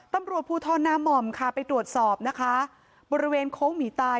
ตำรวจภูทรนาม่อมค่ะไปตรวจสอบนะคะบริเวณโค้งหมีตาย